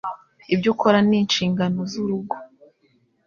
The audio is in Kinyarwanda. ibyo ukora n'inshingano z'urugo